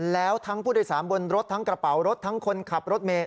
แล้วทั้งผู้โดยสารบนรถทั้งกระเป๋ารถทั้งคนขับรถเมย์